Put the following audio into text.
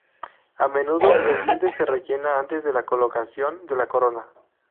A menudo el diente se rellena antes de la colocación de la corona.